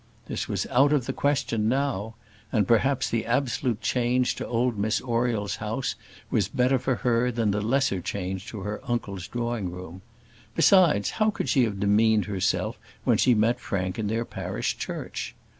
This was out of the question now; and perhaps the absolute change to old Miss Oriel's house was better for her than the lesser change to her uncle's drawing room. Besides, how could she have demeaned herself when she met Frank in their parish church?